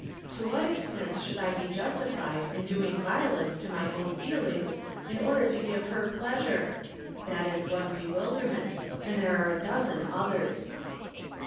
To what extent should I be justified in doing violence to my own feelings in order to give her pleasure ? That is one be wilderment, and there are a dozen others."